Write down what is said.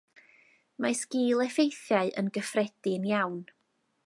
Mae sgil-effeithiau yn gyffredin iawn.